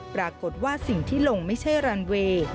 ปรากฏว่าสิ่งที่ลงไม่ใช่รันเวย์